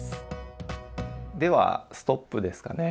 ではストップですかね。